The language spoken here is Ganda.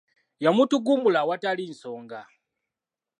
Yamutugumbula awatali nsonga.